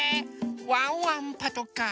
ワンワンパトカー。